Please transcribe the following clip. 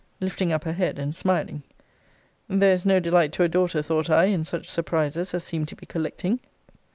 [lifting up her head, and smiling.] There is no delight to a daughter, thought I, in such surprises as seem to be collecting.